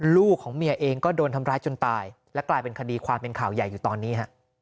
ลูกของเมียเองก็โดนทำร้ายจนตายและกลายเป็นคดีความเป็นข่าวใหญ่อยู่ตอนนี้